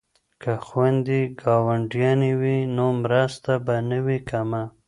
که خویندې ګاونډیانې وي نو مرسته به نه وي کمه.